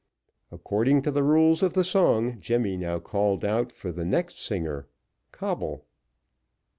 According to the rules of the song, Jemmy now called out for the next singer, Coble.